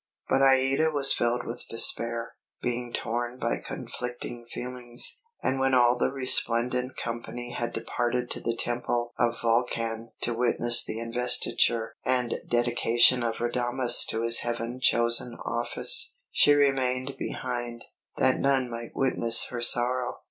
But Aïda was filled with despair, being torn by conflicting feelings; and when all the resplendent company had departed to the Temple of Vulcan to witness the investiture and dedication of Radames to his heaven chosen office, she remained behind, that none might witness her sorrow.